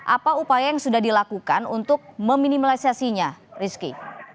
apa upaya yang sudah dilakukan untuk meminimalisasinya rizky